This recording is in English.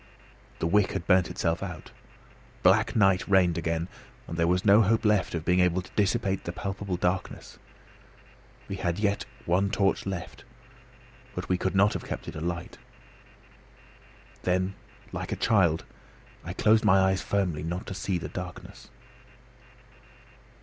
The wick had burnt itself out. Black night reigned again; and there was no hope left of being able to dissipate the palpable darkness. We had yet a torch left, but we could not have kept it alight. Then, like a child, I closed my eyes firmly, not to see the darkness.